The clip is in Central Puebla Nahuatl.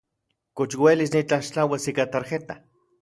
¿Kox uelis nitlaxtlauas ika tarjeta?